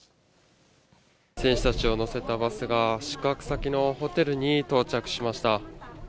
選手たちを乗せたバスが宿泊先のホテルに到着しました。